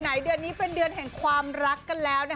เดือนนี้เป็นเดือนแห่งความรักกันแล้วนะคะ